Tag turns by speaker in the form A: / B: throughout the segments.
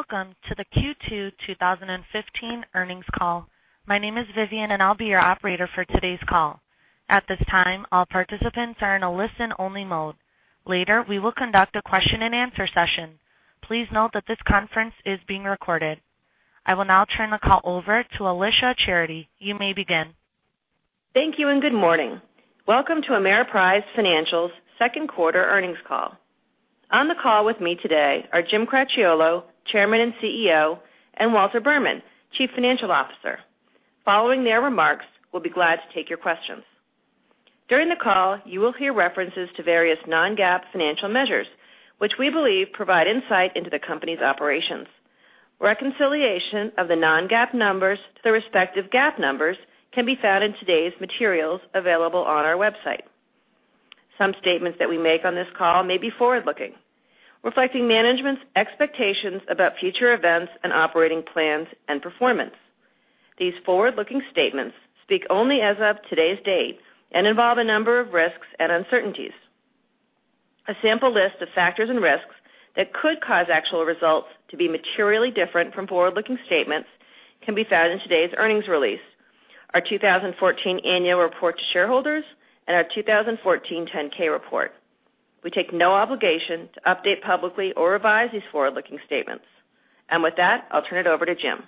A: Welcome to the Q2 2015 earnings call. My name is Vivian, and I'll be your operator for today's call. At this time, all participants are in a listen-only mode. Later, we will conduct a question and answer session. Please note that this conference is being recorded. I will now turn the call over to Alicia Charity. You may begin.
B: Thank you. Good morning. Welcome to Ameriprise Financial's second quarter earnings call. On the call with me today are Jim Cracchiolo, Chairman and CEO, and Walter Berman, Chief Financial Officer. Following their remarks, we'll be glad to take your questions. During the call, you will hear references to various non-GAAP financial measures, which we believe provide insight into the company's operations. Reconciliation of the non-GAAP numbers to the respective GAAP numbers can be found in today's materials available on our website. Some statements that we make on this call may be forward-looking, reflecting management's expectations about future events and operating plans and performance. These forward-looking statements speak only as of today's date and involve a number of risks and uncertainties. A sample list of factors and risks that could cause actual results to be materially different from forward-looking statements can be found in today's earnings release, our 2014 annual report to shareholders, and our 2014 10-K report. We take no obligation to update publicly or revise these forward-looking statements. With that, I'll turn it over to Jim.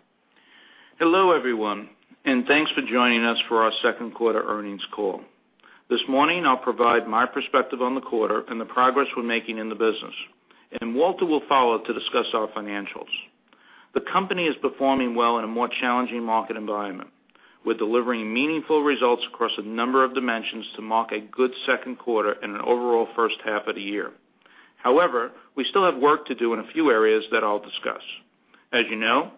C: Hello, everyone. Thanks for joining us for our second quarter earnings call. This morning, I'll provide my perspective on the quarter and the progress we're making in the business. Walter will follow to discuss our financials. The company is performing well in a more challenging market environment. We're delivering meaningful results across a number of dimensions to mark a good second quarter and an overall first half of the year. However, we still have work to do in a few areas that I'll discuss. As you know,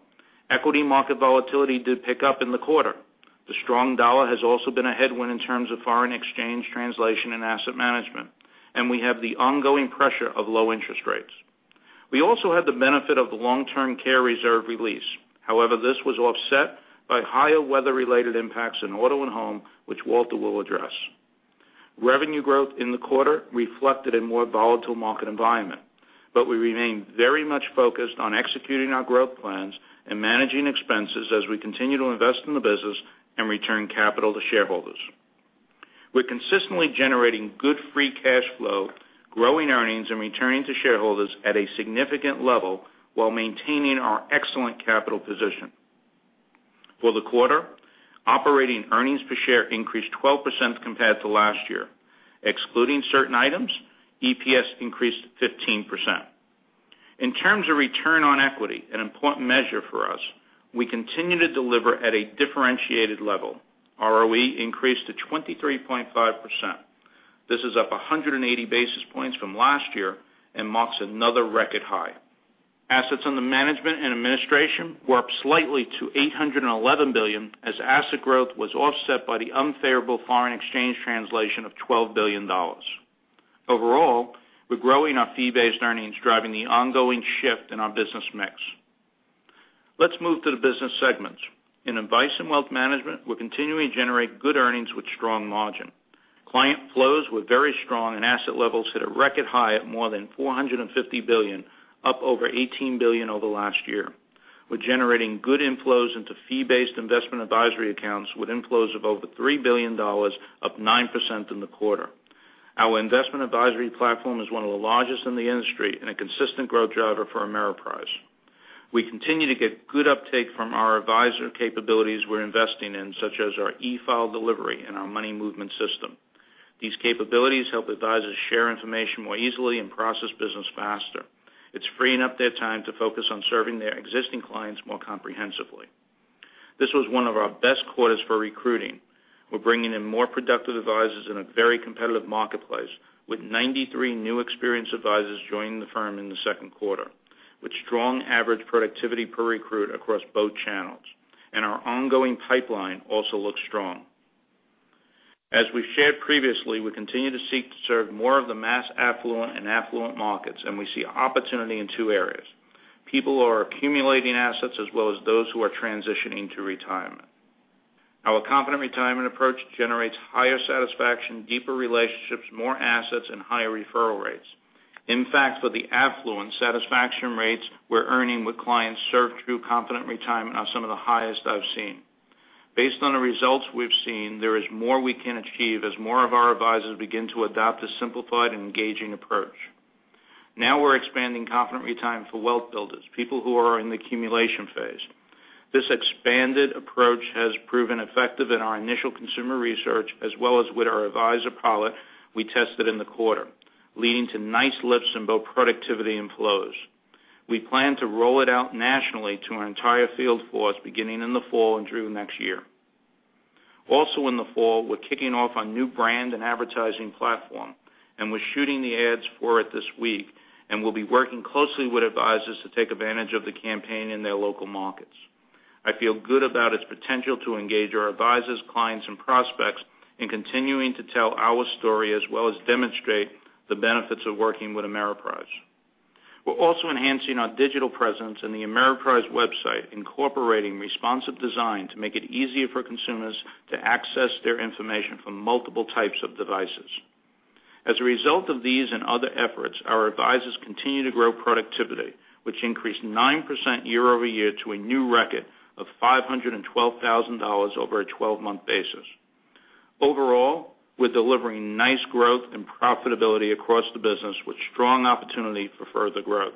C: equity market volatility did pick up in the quarter. The strong dollar has also been a headwind in terms of foreign exchange translation and asset management, and we have the ongoing pressure of low interest rates. We also had the benefit of the long-term care reserve release. This was offset by higher weather-related impacts in auto and home, which Walter will address. Revenue growth in the quarter reflected a more volatile market environment, we remain very much focused on executing our growth plans and managing expenses as we continue to invest in the business and return capital to shareholders. We're consistently generating good free cash flow, growing earnings, and returning to shareholders at a significant level while maintaining our excellent capital position. For the quarter, operating earnings per share increased 12% compared to last year. Excluding certain items, EPS increased 15%. In terms of return on equity, an important measure for us, we continue to deliver at a differentiated level. ROE increased to 23.5%. This is up 180 basis points from last year and marks another record high. Assets under management and administration were up slightly to $811 billion as asset growth was offset by the unfavorable foreign exchange translation of $12 billion. We're growing our fee-based earnings, driving the ongoing shift in our business mix. Let's move to the business segments. In advice and wealth management, we're continuing to generate good earnings with strong margin. Client flows were very strong, and asset levels hit a record high at more than $450 billion, up over $18 billion over last year. We're generating good inflows into fee-based investment advisory accounts with inflows of over $3 billion, up 9% in the quarter. Our investment advisory platform is one of the largest in the industry and a consistent growth driver for Ameriprise. We continue to get good uptake from our advisor capabilities we're investing in, such as our eFile delivery and our money movement system. These capabilities help advisors share information more easily and process business faster. It's freeing up their time to focus on serving their existing clients more comprehensively. This was one of our best quarters for recruiting. We're bringing in more productive advisors in a very competitive marketplace with 93 new experienced advisors joining the firm in the second quarter, with strong average productivity per recruit across both channels. Our ongoing pipeline also looks strong. As we've shared previously, we continue to seek to serve more of the mass affluent and affluent markets, we see opportunity in two areas. People who are accumulating assets as well as those who are transitioning to retirement. Our Confident Retirement approach generates higher satisfaction, deeper relationships, more assets, and higher referral rates. In fact, for the affluent, satisfaction rates we're earning with clients served through Confident Retirement are some of the highest I've seen. Based on the results we've seen, there is more we can achieve as more of our advisors begin to adopt a simplified and engaging approach. We're expanding Confident Retirement for wealth builders, people who are in the accumulation phase. This expanded approach has proven effective in our initial consumer research as well as with our advisor pilot we tested in the quarter, leading to nice lifts in both productivity and flows. We plan to roll it out nationally to our entire field force beginning in the fall and through next year. In the fall, we're kicking off our new brand and advertising platform, we're shooting the ads for it this week, we'll be working closely with advisors to take advantage of the campaign in their local markets. I feel good about its potential to engage our advisors, clients, and prospects in continuing to tell our story as well as demonstrate the benefits of working with Ameriprise. We're also enhancing our digital presence in the Ameriprise website, incorporating responsive design to make it easier for consumers to access their information from multiple types of devices. As a result of these and other efforts, our advisors continue to grow productivity, which increased 9% year-over-year to a new record of $512,000 over a 12-month basis. Overall, we're delivering nice growth and profitability across the business, with strong opportunity for further growth.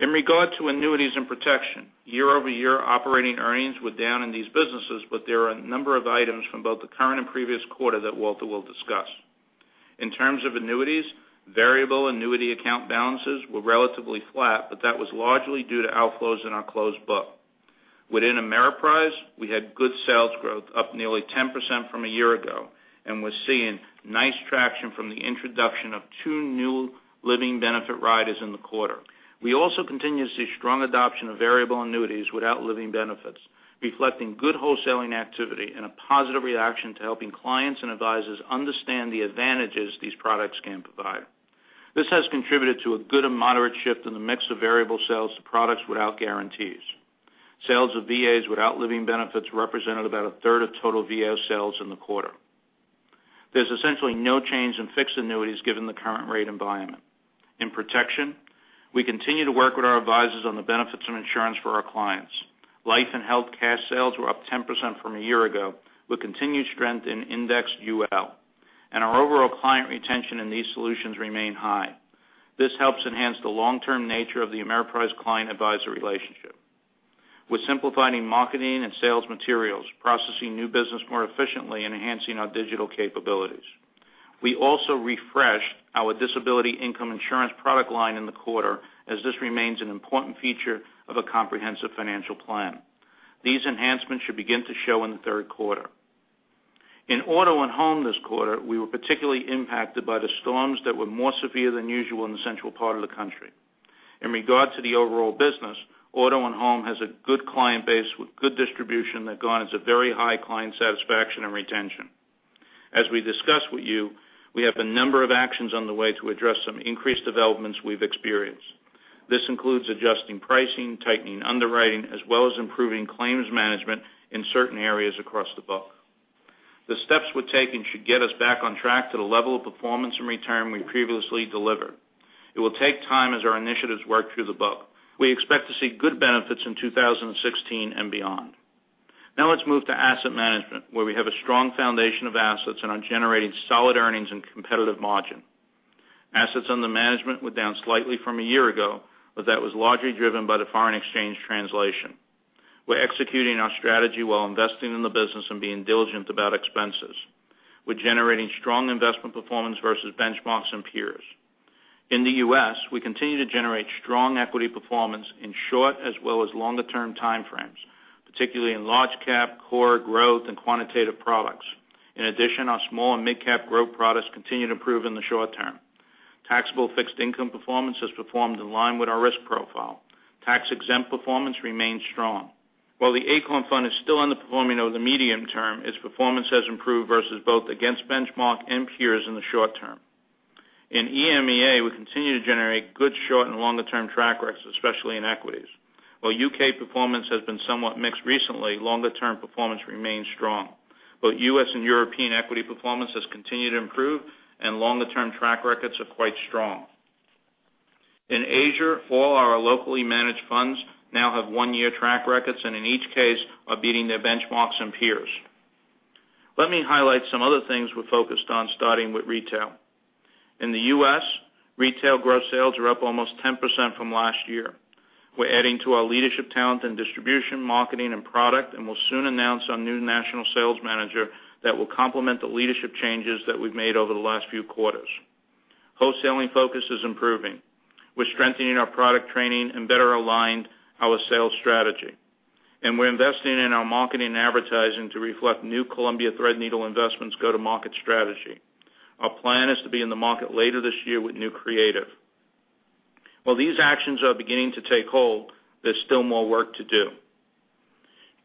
C: In regard to annuities and protection, year-over-year operating earnings were down in these businesses, but there are a number of items from both the current and previous quarter that Walter will discuss. In terms of annuities, variable annuity account balances were relatively flat, but that was largely due to outflows in our closed book. Within Ameriprise, we had good sales growth, up nearly 10% from a year ago, and we're seeing nice traction from the introduction of two new living benefit riders in the quarter. We also continue to see strong adoption of variable annuities without living benefits, reflecting good wholesaling activity and a positive reaction to helping clients and advisors understand the advantages these products can provide. This has contributed to a good and moderate shift in the mix of variable sales to products without guarantees. Sales of VAs without living benefits represented about a third of total VA sales in the quarter. There's essentially no change in fixed annuities given the current rate environment. In protection, we continue to work with our advisors on the benefits of insurance for our clients. Life and health cash sales were up 10% from a year ago, with continued strength in Index UL, and our overall client retention in these solutions remain high. This helps enhance the long-term nature of the Ameriprise client-advisor relationship. We're simplifying marketing and sales materials, processing new business more efficiently, and enhancing our digital capabilities. We also refreshed our disability income insurance product line in the quarter, as this remains an important feature of a comprehensive financial plan. These enhancements should begin to show in the third quarter. In auto and home this quarter, we were particularly impacted by the storms that were more severe than usual in the central part of the country. In regard to the overall business, auto and home has a good client base with good distribution that garnered a very high client satisfaction and retention. As we discussed with you, we have a number of actions on the way to address some increased developments we've experienced. This includes adjusting pricing, tightening underwriting, as well as improving claims management in certain areas across the book. The steps we're taking should get us back on track to the level of performance and return we previously delivered. It will take time as our initiatives work through the book. We expect to see good benefits in 2016 and beyond. Let's move to asset management, where we have a strong foundation of assets and are generating solid earnings and competitive margin. Assets under management were down slightly from a year ago, but that was largely driven by the foreign exchange translation. We're executing our strategy while investing in the business and being diligent about expenses. We're generating strong investment performance versus benchmarks and peers. In the U.S., we continue to generate strong equity performance in short as well as longer-term time frames, particularly in large cap, core growth, and quantitative products. In addition, our small and mid-cap growth products continue to improve in the short term. Taxable fixed income performance has performed in line with our risk profile. Tax-exempt performance remains strong. While the Acorn Fund is still underperforming over the medium term, its performance has improved versus both against benchmark and peers in the short term. In EMEA, we continue to generate good short and longer-term track records, especially in equities. While U.K. performance has been somewhat mixed recently, longer-term performance remains strong. Both U.S. and European equity performance has continued to improve, and longer-term track records are quite strong. In Asia, all our locally managed funds now have one-year track records. In each case, are beating their benchmarks and peers. Let me highlight some other things we're focused on, starting with retail. In the U.S., retail gross sales are up almost 10% from last year. We're adding to our leadership talent in distribution, marketing, and product, will soon announce our new national sales manager that will complement the leadership changes that we've made over the last few quarters. Wholesaling focus is improving. We're strengthening our product training and better aligned our sales strategy. We're investing in our marketing and advertising to reflect New Columbia Threadneedle Investments' go-to-market strategy. Our plan is to be in the market later this year with new creative. While these actions are beginning to take hold, there's still more work to do.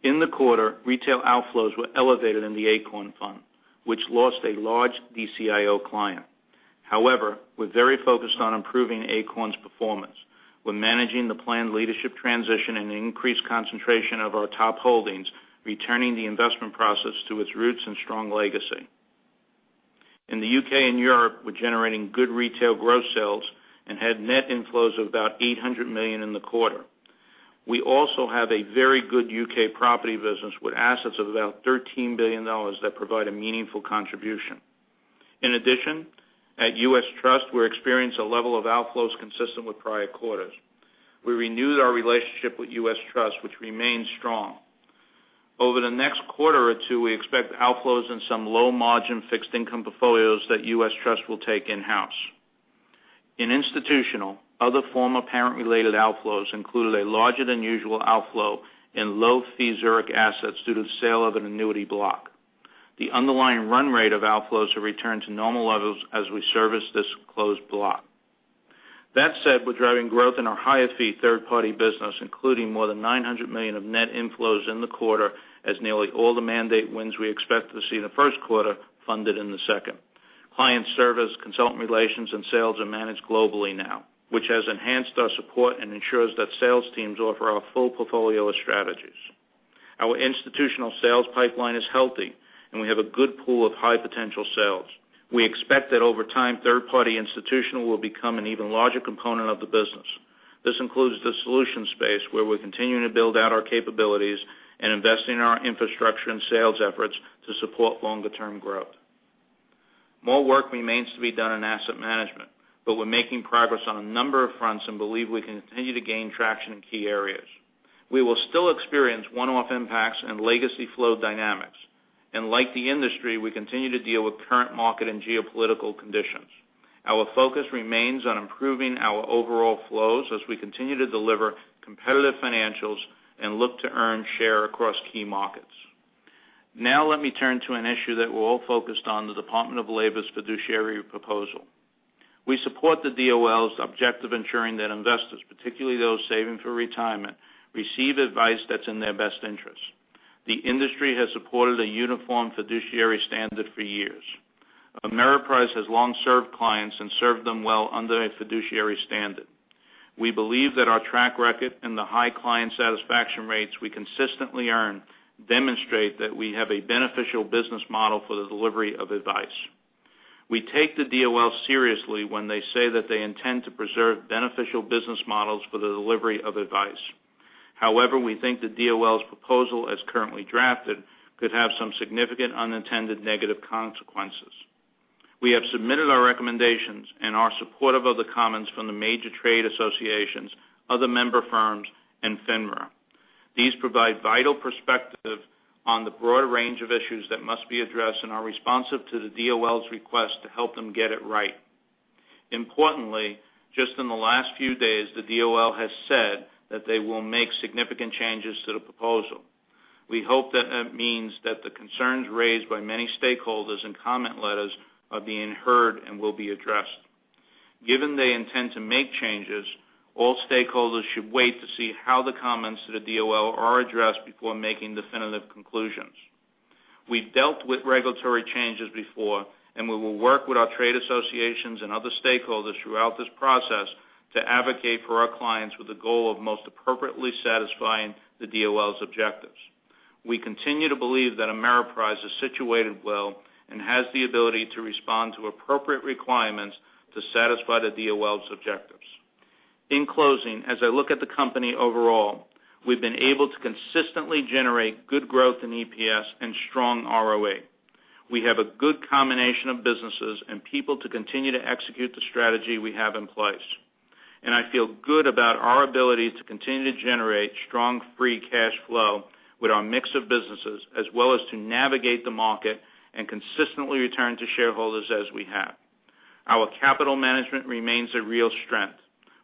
C: In the quarter, retail outflows were elevated in the Acorn Fund, which lost a large DCIO client. However, we're very focused on improving Acorn's performance. We're managing the planned leadership transition and the increased concentration of our top holdings, returning the investment process to its roots and strong legacy. In the U.K. and Europe, we're generating good retail gross sales and had net inflows of about $800 million in the quarter. We also have a very good U.K. property business with assets of about $13 billion that provide a meaningful contribution. In addition, at U.S. Trust, we're experiencing a level of outflows consistent with prior quarters. We renewed our relationship with U.S. Trust, which remains strong. Over the next quarter or two, we expect outflows in some low-margin fixed income portfolios that U.S. Trust will take in-house. In institutional, other form of parent-related outflows included a larger-than-usual outflow in low-fee Zurich assets due to the sale of an annuity block. The underlying run rate of outflows will return to normal levels as we service this closed block. That said, we're driving growth in our higher-fee third-party business, including more than $900 million of net inflows in the quarter, as nearly all the mandate wins we expect to see in the first quarter funded in the second. Client service, consultant relations, and sales are managed globally now, which has enhanced our support and ensures that sales teams offer our full portfolio of strategies. Our institutional sales pipeline is healthy, and we have a good pool of high potential sales. We expect that over time, third party institutional will become an even larger component of the business. This includes the solution space, where we're continuing to build out our capabilities and investing in our infrastructure and sales efforts to support longer term growth. More work remains to be done in asset management, but we're making progress on a number of fronts and believe we can continue to gain traction in key areas. We will still experience one-off impacts and legacy flow dynamics. Like the industry, we continue to deal with current market and geopolitical conditions. Our focus remains on improving our overall flows as we continue to deliver competitive financials and look to earn share across key markets. Let me turn to an issue that we're all focused on, the Department of Labor's fiduciary proposal. We support the DOL's objective ensuring that investors, particularly those saving for retirement, receive advice that's in their best interest. The industry has supported a uniform fiduciary standard for years. Ameriprise has long served clients and served them well under a fiduciary standard. We believe that our track record and the high client satisfaction rates we consistently earn demonstrate that we have a beneficial business model for the delivery of advice. We take the DOL seriously when they say that they intend to preserve beneficial business models for the delivery of advice. However, we think the DOL's proposal as currently drafted, could have some significant unintended negative consequences. We have submitted our recommendations and are supportive of the comments from the major trade associations, other member firms, and FINRA. These provide vital perspective on the broad range of issues that must be addressed and are responsive to the DOL's request to help them get it right. Just in the last few days, the DOL has said that they will make significant changes to the proposal. We hope that that means that the concerns raised by many stakeholders and comment letters are being heard and will be addressed. Given they intend to make changes, all stakeholders should wait to see how the comments to the DOL are addressed before making definitive conclusions. We've dealt with regulatory changes before. We will work with our trade associations and other stakeholders throughout this process to advocate for our clients with the goal of most appropriately satisfying the DOL's objectives. We continue to believe that Ameriprise is situated well and has the ability to respond to appropriate requirements to satisfy the DOL's objectives. In closing, as I look at the company overall, we've been able to consistently generate good growth in EPS and strong ROA. We have a good combination of businesses and people to continue to execute the strategy we have in place. I feel good about our ability to continue to generate strong free cash flow with our mix of businesses, as well as to navigate the market and consistently return to shareholders as we have. Our capital management remains a real strength.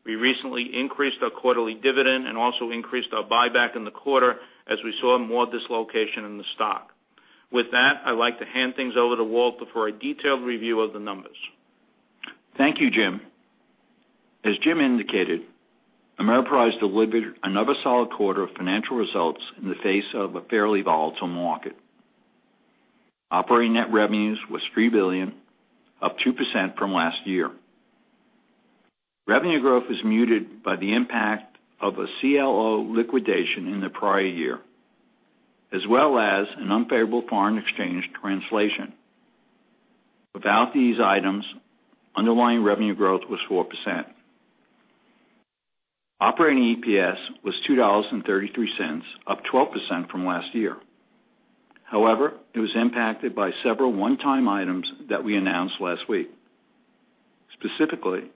C: We recently increased our quarterly dividend and also increased our buyback in the quarter as we saw more dislocation in the stock. With that, I'd like to hand things over to Walter for a detailed review of the numbers.
D: Thank you, Jim. As Jim indicated, Ameriprise delivered another solid quarter of financial results in the face of a fairly volatile market. Operating net revenues was $3 billion, up 2% from last year. Revenue growth was muted by the impact of a CLO liquidation in the prior year, as well as an unfavorable foreign exchange translation. Without these items, underlying revenue growth was 4%. Operating EPS was $2.33, up 12% from last year. However, it was impacted by several one-time items that we announced last week. Specifically,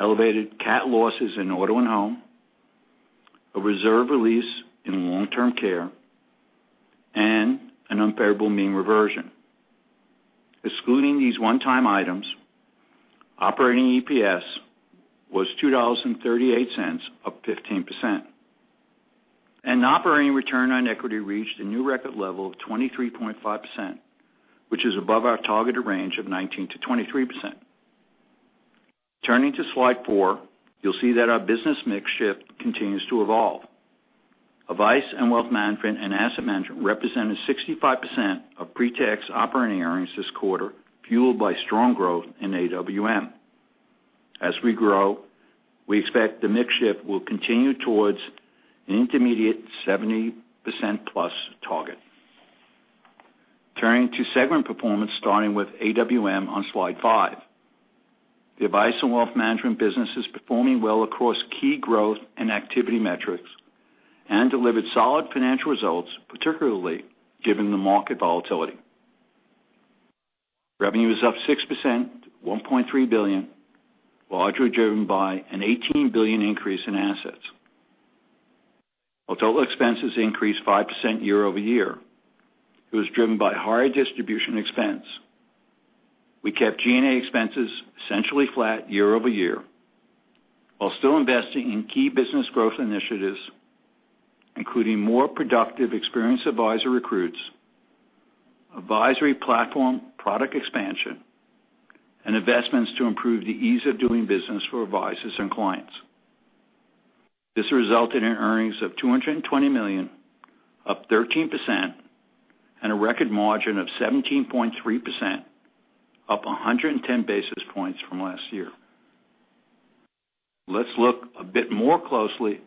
D: elevated cat losses in auto and home, a reserve release in long-term care, and an unfavorable mean reversion. Excluding these one-time items, operating EPS was $2.38, up 15%. And operating return on equity reached a new record level of 23.5%, which is above our targeted range of 19%-23%. Turning to slide four, you'll see that our business mix shift continues to evolve. Advice and wealth management and asset management represented 65% of pre-tax operating earnings this quarter, fueled by strong growth in AWM. As we grow, we expect the mix shift will continue towards an intermediate 70% plus target. Turning to segment performance, starting with AWM on Slide 5. The advice and wealth management business is performing well across key growth and activity metrics and delivered solid financial results, particularly given the market volatility. Revenue is up 6%, to $1.3 billion, largely driven by an $18 billion increase in assets. While total expenses increased 5% year-over-year, it was driven by higher distribution expense. We kept G&A expenses essentially flat year-over-year while still investing in key business growth initiatives, including more productive experienced advisor recruits, advisory platform product expansion, and investments to improve the ease of doing business for advisors and clients. This resulted in earnings of $220 million, up 13%, and a record margin of 17.3%, up 110 basis points from last year. Let's look a bit more closely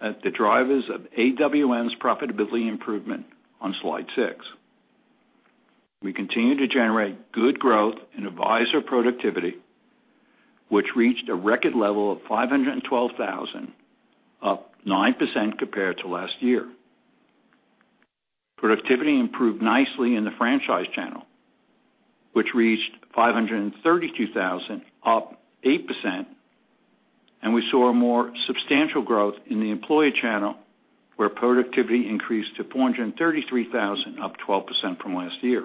D: at the drivers of AWM's profitability improvement on slide six. We continue to generate good growth in advisor productivity, which reached a record level of 512,000, up 9% compared to last year. Productivity improved nicely in the franchise channel, which reached 532,000, up 8%, and we saw a more substantial growth in the employee channel, where productivity increased to 433,000, up 12% from last year.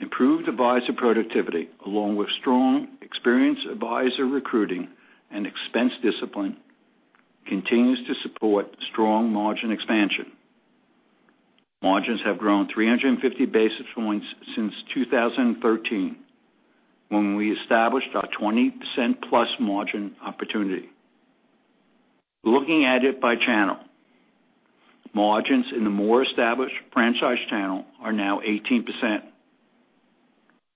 D: Improved advisor productivity, along with strong experienced advisor recruiting and expense discipline, continues to support strong margin expansion. Margins have grown 350 basis points since 2013, when we established our 20% plus margin opportunity. Looking at it by channel, margins in the more established franchise channel are now 18%.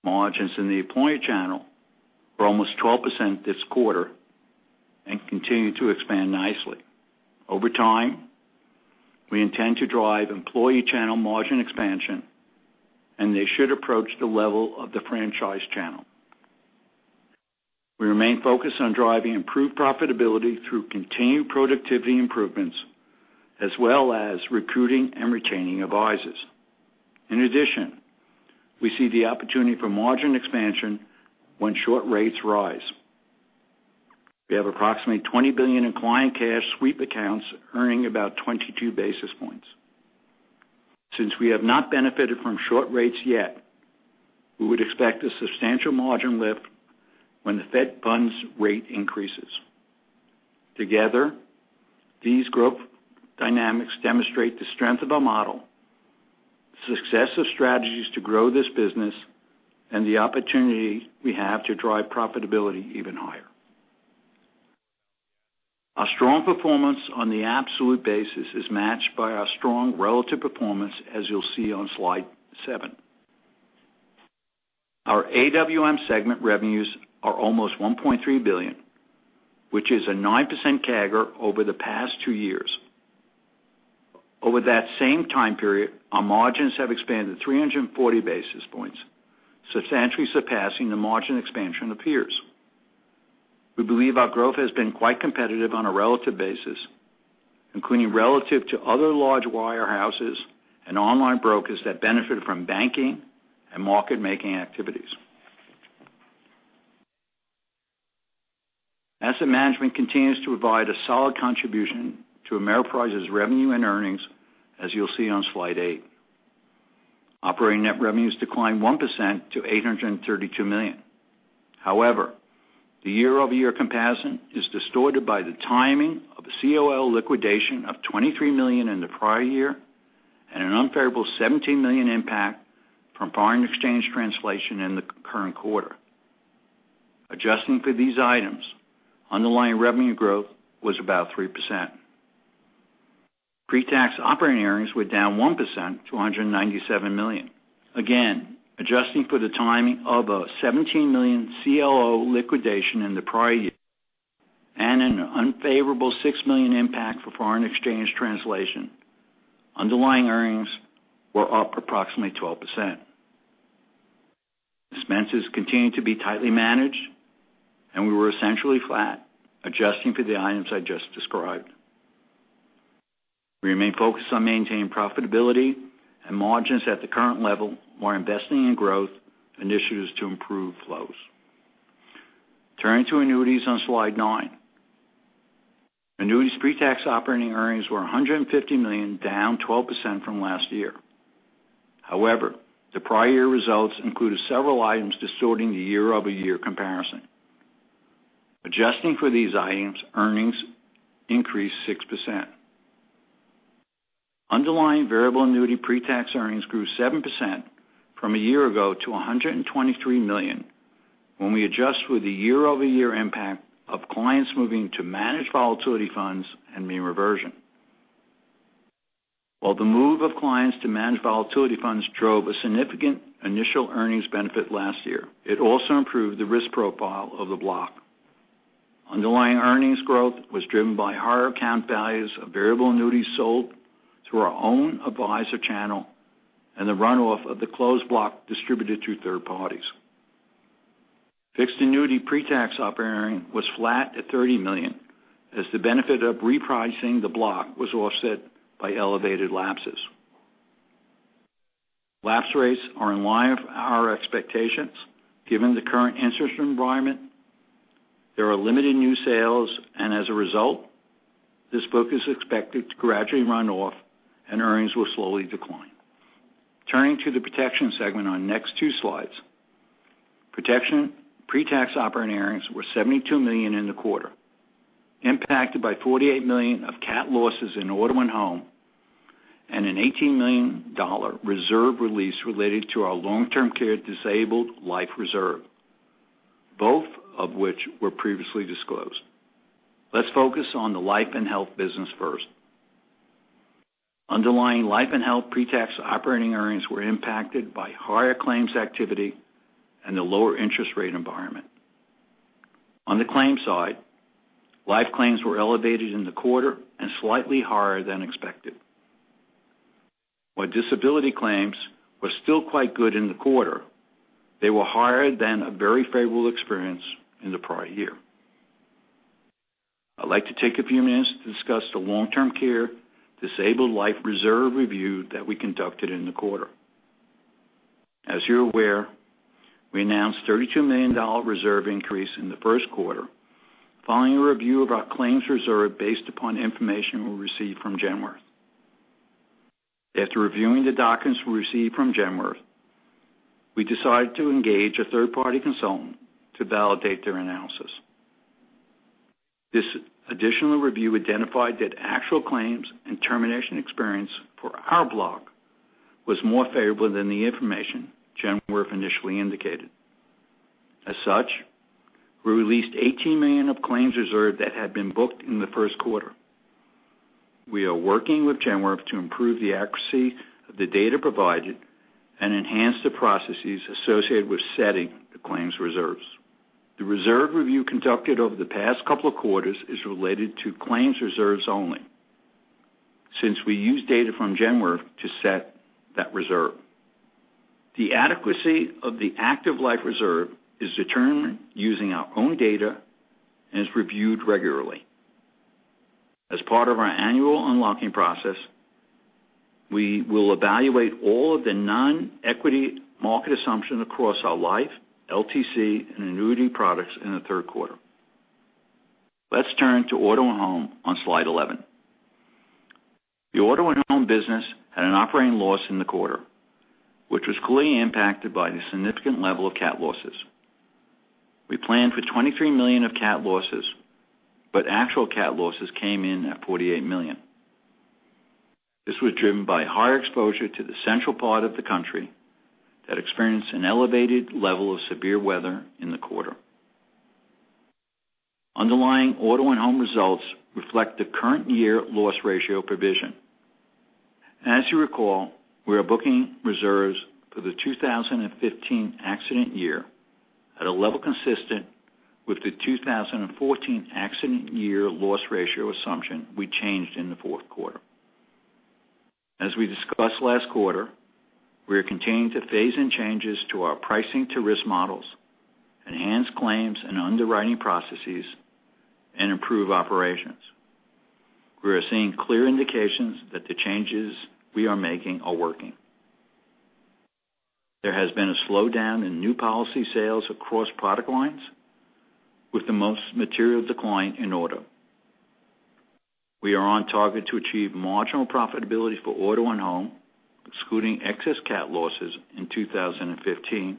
D: Margins in the employee channel were almost 12% this quarter and continue to expand nicely. Over time, we intend to drive employee channel margin expansion, and they should approach the level of the franchise channel. We remain focused on driving improved profitability through continued productivity improvements, as well as recruiting and retaining advisors. In addition, we see the opportunity for margin expansion when short rates rise. We have approximately $20 billion in client cash sweep accounts earning about 22 basis points. Since we have not benefited from short rates yet, we would expect a substantial margin lift when the Fed funds rate increases. Together, these group dynamics demonstrate the strength of our model, the success of strategies to grow this business, and the opportunity we have to drive profitability even higher. Our strong performance on the absolute basis is matched by our strong relative performance, as you'll see on slide seven. Our AWM segment revenues are almost $1.3 billion, which is a 9% CAGR over the past two years. Over that same time period, our margins have expanded 340 basis points, substantially surpassing the margin expansion of peers. We believe our growth has been quite competitive on a relative basis, including relative to other large wirehouses and online brokers that benefit from banking and market-making activities. Asset management continues to provide a solid contribution to Ameriprise's revenue and earnings, as you'll see on slide eight. Operating net revenues declined 1% to $832 million. However, the year-over-year comparison is distorted by the timing of the CLO liquidation of $23 million in the prior year and an unfavorable $17 million impact from foreign exchange translation in the current quarter. Adjusting for these items, underlying revenue growth was about 3%. Pre-tax operating earnings were down 1% to $197 million. Again, adjusting for the timing of a $17 million CLO liquidation in the prior year and an unfavorable $6 million impact for foreign exchange translation, underlying earnings were up approximately 12%. Expenses continued to be tightly managed, and we were essentially flat, adjusting for the items I just described. We remain focused on maintaining profitability and margins at the current level while investing in growth initiatives to improve flows. Turning to annuities on slide nine. Annuities pre-tax operating earnings were $150 million, down 12% from last year. However, the prior year results included several items distorting the year-over-year comparison. Adjusting for these items, earnings increased 6%. Underlying variable annuity pre-tax earnings grew 7% from a year ago to $123 million when we adjust for the year-over-year impact of clients moving to managed volatility funds and mean reversion. While the move of clients to managed volatility funds drove a significant initial earnings benefit last year, it also improved the risk profile of the block. Underlying earnings growth was driven by higher account values of variable annuities sold through our own advisor channel and the runoff of the closed block distributed to third parties. Fixed annuity pre-tax operating was flat at $30 million as the benefit of repricing the block was offset by elevated lapses. Lapse rates are in line with our expectations given the current interest rate environment. There are limited new sales, and as a result, this book is expected to gradually run off and earnings will slowly decline. Turning to the protection segment on the next two slides. Protection pre-tax operating earnings were $72 million in the quarter, impacted by $48 million of cat losses in auto and home, and an $18 million reserve release related to our long-term care disabled life reserve, both of which were previously disclosed. Let's focus on the life and health business first. Underlying life and health pretax operating earnings were impacted by higher claims activity and the lower interest rate environment. On the claims side, life claims were elevated in the quarter and slightly higher than expected. While disability claims were still quite good in the quarter, they were higher than a very favorable experience in the prior year. I'd like to take a few minutes to discuss the long-term care disabled life reserve review that we conducted in the quarter. As you're aware, we announced a $32 million reserve increase in the first quarter following a review of our claims reserve based upon information we received from Genworth. After reviewing the documents we received from Genworth, we decided to engage a third-party consultant to validate their analysis. This additional review identified that actual claims and termination experience for our block was more favorable than the information Genworth initially indicated. As such, we released $18 million of claims reserve that had been booked in the first quarter. We are working with Genworth to improve the accuracy of the data provided and enhance the processes associated with setting the claims reserves. The reserve review conducted over the past couple of quarters is related to claims reserves only, since we use data from Genworth to set that reserve. The adequacy of the active life reserve is determined using our own data and is reviewed regularly. As part of our annual unlocking process, we will evaluate all of the non-equity market assumptions across our life, LTC, and annuity products in the third quarter. Let's turn to auto and home on slide 11. The auto and home business had an operating loss in the quarter, which was clearly impacted by the significant level of cat losses. We planned for $23 million of cat losses, but actual cat losses came in at $48 million. This was driven by higher exposure to the central part of the country that experienced an elevated level of severe weather in the quarter. Underlying auto and home results reflect the current year loss ratio provision. As you recall, we are booking reserves for the 2015 accident year at a level consistent with the 2014 accident year loss ratio assumption we changed in the fourth quarter. As we discussed last quarter, we are continuing to phase in changes to our pricing to risk models, enhance claims and underwriting processes, and improve operations. We are seeing clear indications that the changes we are making are working. There has been a slowdown in new policy sales across product lines, with the most material decline in auto. We are on target to achieve marginal profitability for auto and home, excluding excess cat losses in 2015,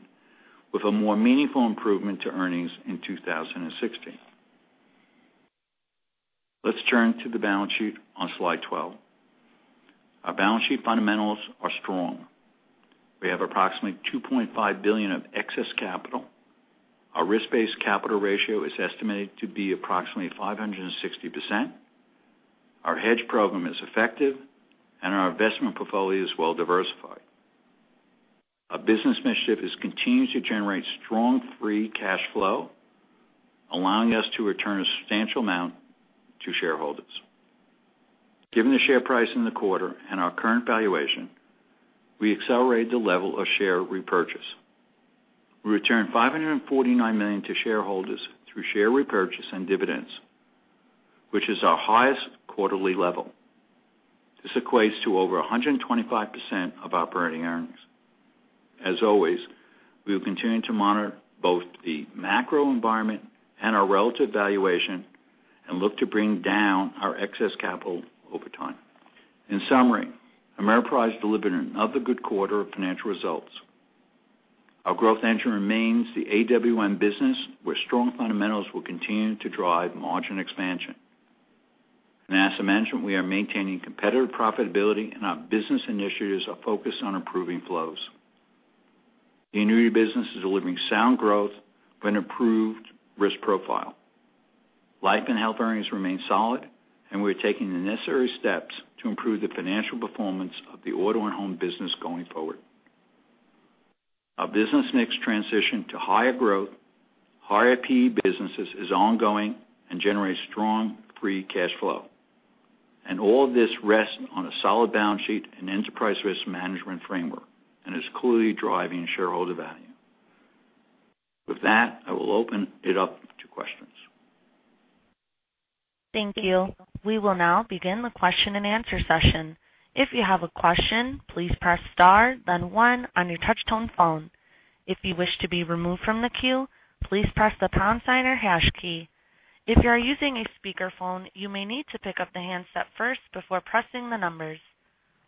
D: with a more meaningful improvement to earnings in 2016. Let's turn to the balance sheet on slide 12. Our balance sheet fundamentals are strong. We have approximately $2.5 billion of excess capital. Our risk-based capital ratio is estimated to be approximately 560%. Our hedge program is effective, and our investment portfolio is well-diversified. Our business mix continues to generate strong free cash flow, allowing us to return a substantial amount to shareholders. Given the share price in the quarter and our current valuation, we accelerated the level of share repurchase. We returned $549 million to shareholders through share repurchase and dividends, which is our highest quarterly level. This equates to over 125% of operating earnings. As always, we will continue to monitor both the macro environment and our relative valuation and look to bring down our excess capital over time. In summary, Ameriprise delivered another good quarter of financial results. Our growth engine remains the AWM business, where strong fundamentals will continue to drive margin expansion. In asset management, we are maintaining competitive profitability, and our business initiatives are focused on improving flows. The annuity business is delivering sound growth with an improved risk profile. Life and health earnings remain solid, and we are taking the necessary steps to improve the financial performance of the auto and home business going forward. Our business mix transition to higher growth, higher P/E businesses is ongoing and generates strong free cash flow. All this rests on a solid balance sheet and enterprise risk management framework and is clearly driving shareholder value. With that, I will open it up to questions.
A: Thank you. We will now begin the question-and-answer session. If you have a question, please press star then one on your touchtone phone. If you wish to be removed from the queue, please press the pound sign or hash key. If you are using a speakerphone, you may need to pick up the handset first before pressing the numbers.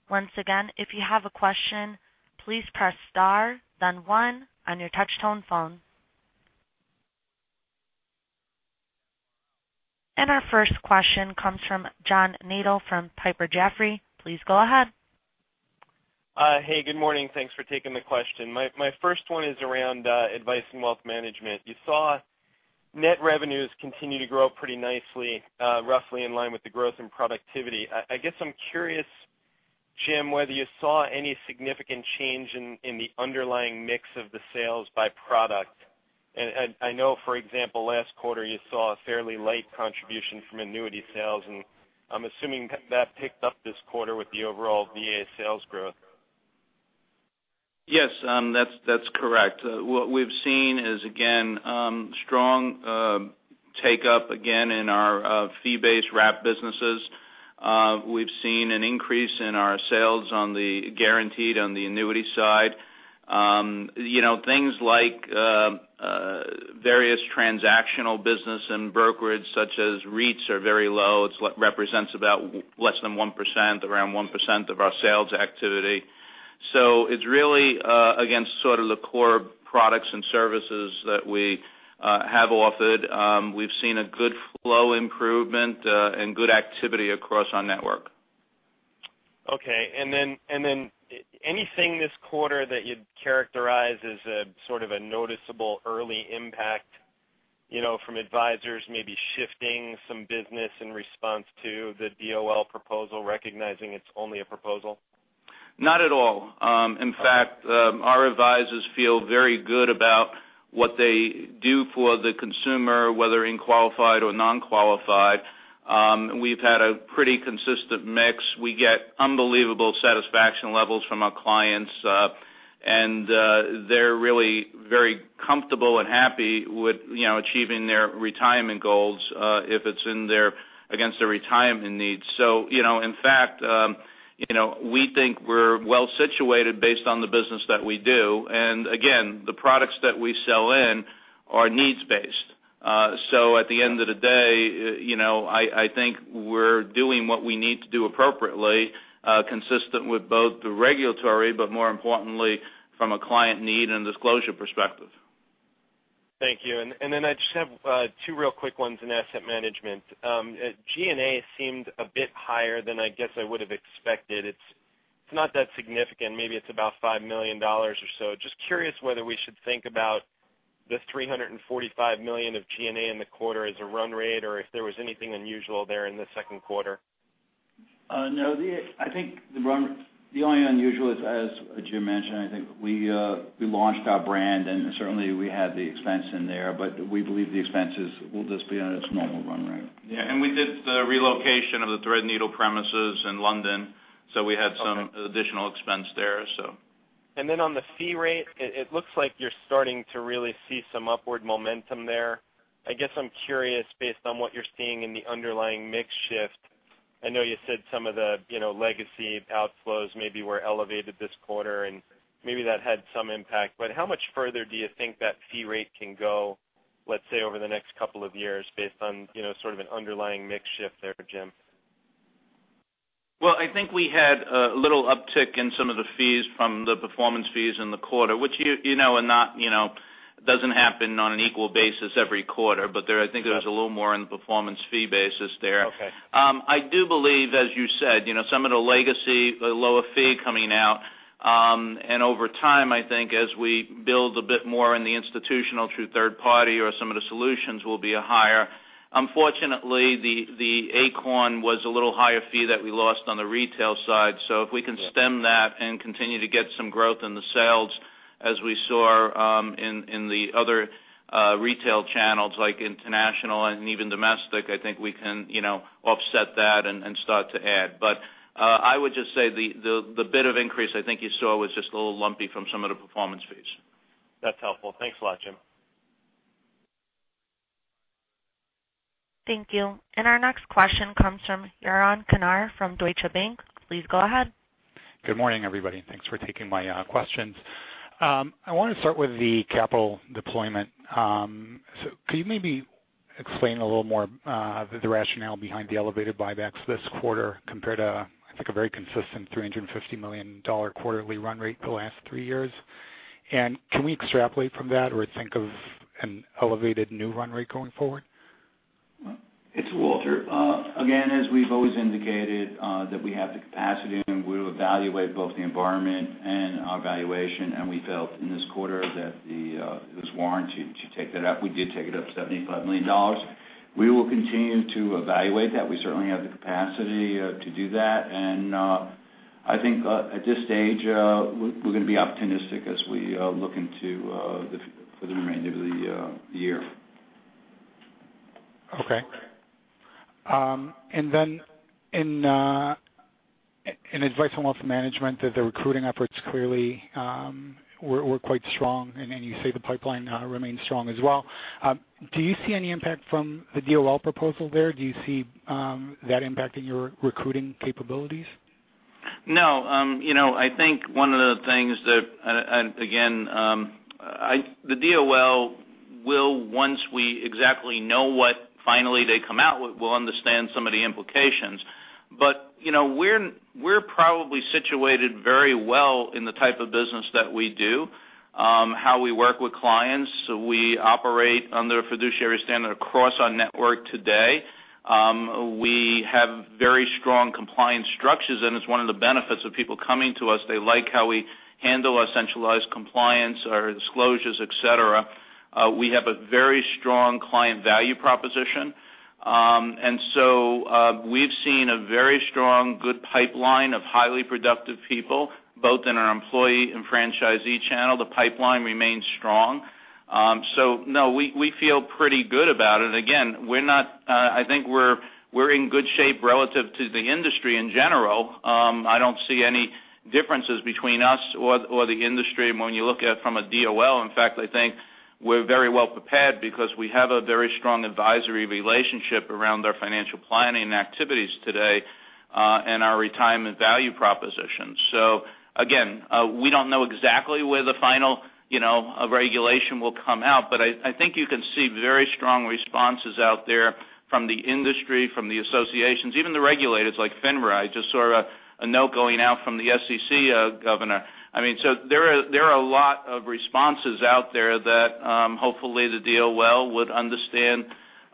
A: Once again, if you have a question, please press star then one on your touchtone phone. Our first question comes from John Nadel from Piper Jaffray. Please go ahead.
E: Hey, good morning. Thanks for taking the question. My first one is around advice and wealth management. You saw net revenues continue to grow pretty nicely roughly in line with the growth in productivity. I guess I'm curious, Jim, whether you saw any significant change in the underlying mix of the sales by product. I know, for example, last quarter you saw a fairly light contribution from annuity sales, and I'm assuming that picked up this quarter with the overall VA sales growth.
C: Yes. That's correct. What we've seen is, again, strong take up again in our fee-based wrap businesses. We've seen an increase in our sales on the guaranteed, on the annuity side. Things like various transactional business and brokerage such as REITs are very low. It represents about less than 1%, around 1% of our sales activity. It's really against sort of the core products and services that we have offered. We've seen a good flow improvement, and good activity across our network.
E: Okay. Anything this quarter that you'd characterize as a sort of a noticeable early impact, from advisors maybe shifting some business in response to the DOL proposal, recognizing it's only a proposal?
C: Not at all. In fact, our advisors feel very good about what they do for the consumer, whether in qualified or non-qualified. We've had a pretty consistent mix. We get unbelievable satisfaction levels from our clients. They're really very comfortable and happy with achieving their retirement goals, if it's against their retirement needs. In fact, we think we're well-situated based on the business that we do. Again, the products that we sell in are needs-based. At the end of the day, I think we're doing what we need to do appropriately, consistent with both the regulatory, but more importantly, from a client need and disclosure perspective.
E: Thank you. I just have two real quick ones in asset management. G&A seemed a bit higher than I guess I would have expected. It's not that significant. Maybe it's about $5 million or so. Just curious whether we should think about the $345 million of G&A in the quarter as a run rate, or if there was anything unusual there in the second quarter.
D: I think the only unusual is, as Jim mentioned, I think we launched our brand, certainly we had the expense in there. We believe the expenses will just be on a normal run rate.
C: We did the relocation of the Threadneedle premises in London, we had some additional expense there.
E: On the fee rate, it looks like you're starting to really see some upward momentum there. I guess I'm curious, based on what you're seeing in the underlying mix shift, I know you said some of the legacy outflows maybe were elevated this quarter, maybe that had some impact, how much further do you think that fee rate can go, let's say, over the next couple of years based on sort of an underlying mix shift there, Jim?
C: Well, I think we had a little uptick in some of the fees from the performance fees in the quarter, which you know doesn't happen on an equal basis every quarter. I think there was a little more on the performance fee basis there.
E: Okay.
C: I do believe, as you said, some of the legacy, the lower fee coming out. Over time, I think as we build a bit more in the institutional through third party or some of the solutions will be higher. Unfortunately, the Acorn was a little higher fee that we lost on the retail side. If we can stem that and continue to get some growth in the sales as we saw in the other retail channels like international and even domestic, I think we can offset that and start to add. I would just say the bit of increase I think you saw was just a little lumpy from some of the performance fees.
E: That's helpful. Thanks a lot, Jim.
A: Thank you. Our next question comes from Yaron Kinar from Deutsche Bank. Please go ahead.
F: Good morning, everybody, and thanks for taking my questions. I want to start with the capital deployment. Could you maybe explain a little more the rationale behind the elevated buybacks this quarter compared to, I think, a very consistent $350 million quarterly run rate the last three years? Can we extrapolate from that or think of an elevated new run rate going forward?
D: Walter. As we've always indicated that we have the capacity, we'll evaluate both the environment and our valuation. We felt in this quarter that it was warranted to take that up. We did take it up $75 million. We will continue to evaluate that. We certainly have the capacity to do that. I think at this stage, we're going to be optimistic as we look into for the remainder of the year.
F: Okay. In Advice and Wealth Management, the recruiting efforts clearly were quite strong, you say the pipeline remains strong as well. Do you see any impact from the DOL proposal there? Do you see that impacting your recruiting capabilities?
C: No. I think one of the things that, once we exactly know what finally they come out with, we'll understand some of the implications. We're probably situated very well in the type of business that we do. How we work with clients. We operate under a fiduciary standard across our network today. We have very strong compliance structures, and it's one of the benefits of people coming to us. They like how we handle our centralized compliance, our disclosures, et cetera. We have a very strong client value proposition. We've seen a very strong, good pipeline of highly productive people, both in our employee and franchise channel. The pipeline remains strong. No, we feel pretty good about it. I think we're in good shape relative to the industry in general. I don't see any differences between us or the industry. When you look at it from a DOL, in fact, I think we're very well-prepared because we have a very strong advisory relationship around our financial planning activities today, and our retirement value proposition. We don't know exactly where the final regulation will come out, but I think you can see very strong responses out there from the industry, from the associations, even the regulators like FINRA. I just saw a note going out from the SEC governor. There are a lot of responses out there that hopefully the DOL would understand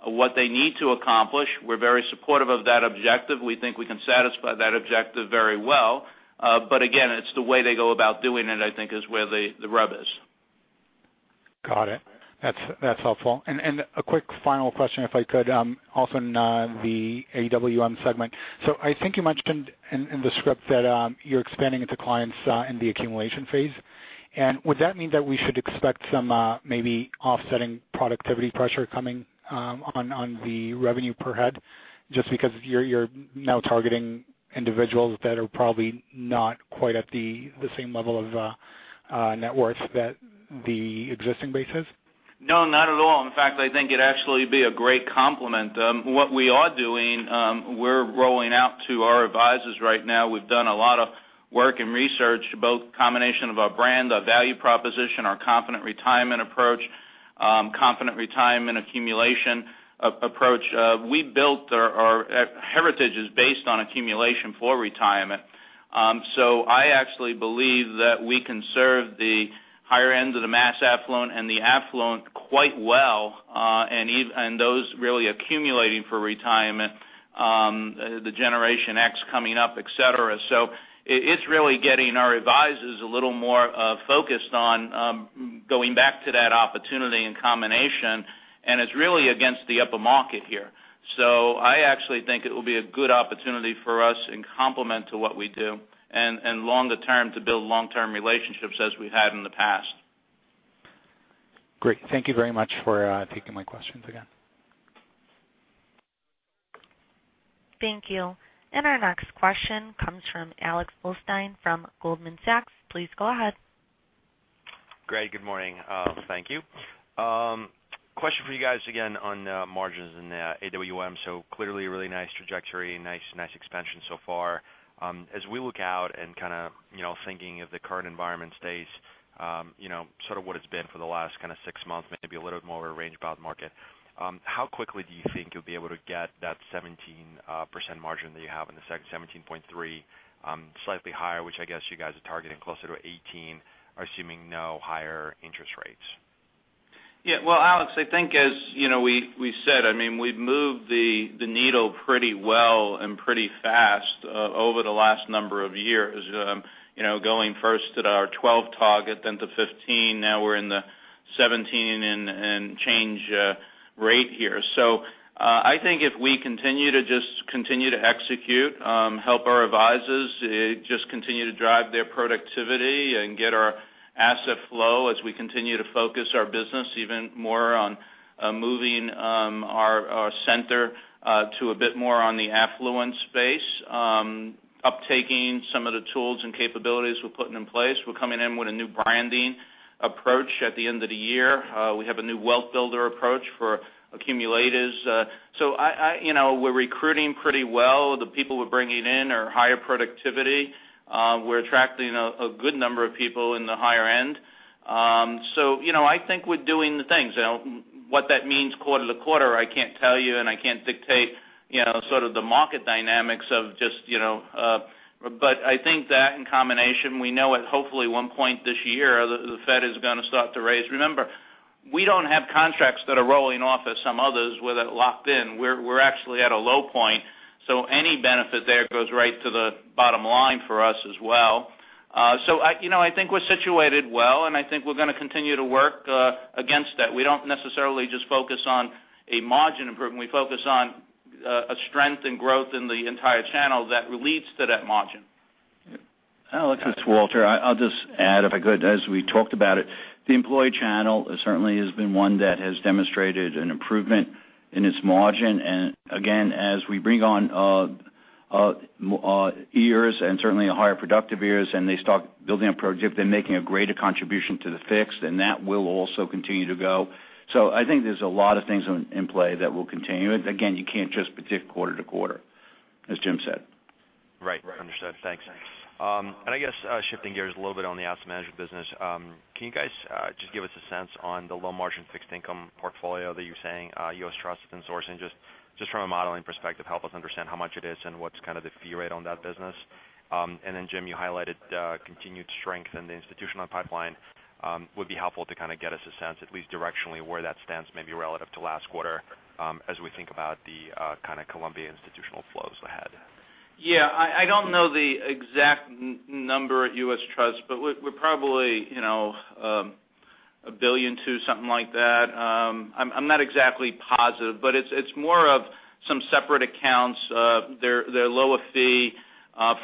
C: what they need to accomplish. We're very supportive of that objective. We think we can satisfy that objective very well. It's the way they go about doing it, I think, is where the rub is.
F: Got it. That's helpful. A quick final question, if I could. Also on the AWM segment. I think you mentioned in the script that you're expanding into clients in the accumulation phase. Would that mean that we should expect some maybe offsetting productivity pressure coming on the revenue per head, just because you're now targeting individuals that are probably not quite at the same level of net worth that the existing base is?
C: No, not at all. In fact, I think it'd actually be a great complement. What we are doing, we're rolling out to our advisors right now. We've done a lot of work and research, both combination of our brand, our value proposition, our Confident Retirement approach, Confident Retirement accumulation approach. Our heritage is based on accumulation for retirement. I actually believe that we can serve the higher end of the mass affluent and the affluent quite well, and those really accumulating for retirement, the Generation X coming up, et cetera. It's really getting our advisors a little more focused on going back to that opportunity and combination, and it's really against the upper market here. I actually think it will be a good opportunity for us in complement to what we do, and longer term, to build long-term relationships as we've had in the past.
F: Great. Thank you very much for taking my questions again.
A: Thank you. Our next question comes from Alex Blostein from Goldman Sachs. Please go ahead.
G: Great, good morning. Thank you. Question for you guys again on margins in the AWM. Clearly a really nice trajectory, nice expansion so far. As we look out and kind of thinking if the current environment stays sort of what it's been for the last six months, maybe a little bit more of a range-bound market, how quickly do you think you'll be able to get that 17% margin that you have in the second, 17.3%, slightly higher, which I guess you guys are targeting closer to 18%, assuming no higher interest rates?
C: Yeah. Well, Alex, I think as we said, we've moved the needle pretty well and pretty fast over the last number of years. Going first to our 12 target, then to 15, now we're in the 17 and change rate here. I think if we continue to just continue to execute, help our advisors just continue to drive their productivity, and get our asset flow as we continue to focus our business even more on moving our center to a bit more on the affluent space, uptaking some of the tools and capabilities we're putting in place. We're coming in with a new branding approach at the end of the year. We have a new wealth builder approach for accumulators. We're recruiting pretty well. The people we're bringing in are higher productivity. We're attracting a good number of people in the higher end. I think we're doing the things. What that means quarter to quarter, I can't tell you, and I can't dictate sort of the market dynamics. I think that in combination, we know at hopefully one point this year, the Fed is going to start to raise. Remember, we don't have contracts that are rolling off as some others with it locked in. We're actually at a low point. Any benefit there goes right to the bottom line for us as well. I think we're situated well, and I think we're going to continue to work against that. We don't necessarily just focus on a margin improvement. We focus on a strength and growth in the entire channel that leads to that margin.
D: Alex, it's Walter. I'll just add, if I could, as we talked about it, the employee channel certainly has been one that has demonstrated an improvement in its margin. Again, as we bring on ERs and certainly higher productive ERs, and they start building up productivity, they're making a greater contribution to the fixed, and that will also continue to go. I think there's a lot of things in play that will continue. Again, you can't just predict quarter to quarter, as Jim said.
G: Right. Understood. Thanks. I guess, shifting gears a little bit on the asset management business. Can you guys just give us a sense on the low margin fixed income portfolio that you're saying U.S. Trust has been sourcing, just from a modeling perspective, help us understand how much it is and what's the fee rate on that business. Then Jim, you highlighted continued strength in the institutional pipeline. Would be helpful to get us a sense, at least directionally, where that stands maybe relative to last quarter as we think about the Columbia institutional flows ahead.
C: Yeah. I don't know the exact number at U.S. Trust, but we're probably $1.2 billion, something like that. I'm not exactly positive, but it's more of some separate accounts. They're lower fee.